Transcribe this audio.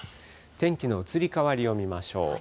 天気の移り変わりを見ましょう。